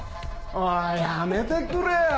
おいやめてくれよ。